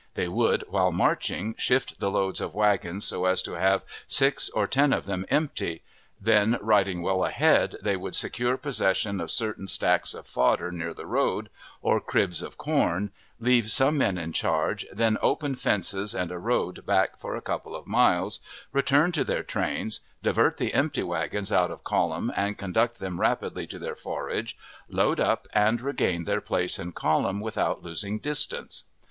They would, while marching, shift the loads of wagons, so as to have six or ten of them empty. Then, riding well ahead, they would secure possession of certain stacks of fodder near the road, or cribs of corn, leave some men in charge, then open fences and a road back for a couple of miles, return to their trains, divert the empty wagons out of column, and conduct them rapidly to their forage, load up and regain their place in column without losing distance.